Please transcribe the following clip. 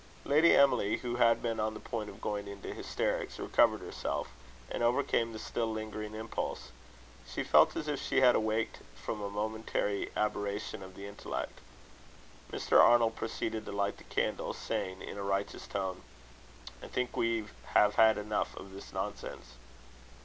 Lady Emily, who had been on the point of going into hysterics, recovered herself, and overcame the still lingering impulse: she felt as if she had awaked from a momentary aberration of the intellect. Mr. Arnold proceeded to light the candles, saying, in a righteous tone: "I think we have had enough of this nonsense."